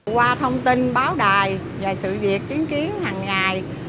qua thông tin báo đài về sự việc chiến chiến hằng ngày